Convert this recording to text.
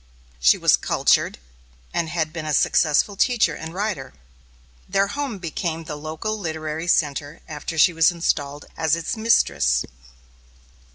She was cultured, and had been a successful teacher and writer. Their home became the local literary centre after she was installed as its mistress.